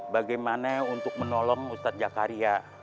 bagaimana untuk menolong ustadz jakaria